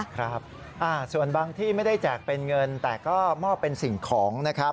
ครับส่วนบางที่ไม่ได้แจกเป็นเงินแต่ก็มอบเป็นสิ่งของนะครับ